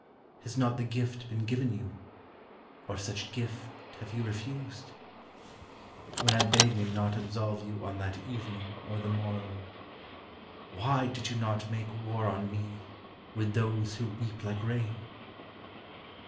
Has not the gift been given you, or such gift have you refused? When I bade me not absolve you on that evening or the morrow, Why did you not make war on me with those who weep like rain?